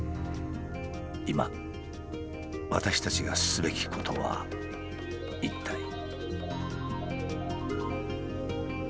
今私たちがすべきことは一体。